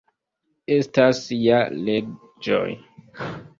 Estas ja leĝoj.